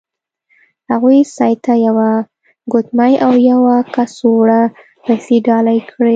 هغوی سید ته یوه ګوتمۍ او یوه کڅوړه پیسې ډالۍ کړې.